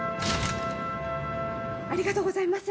ありがとうございます！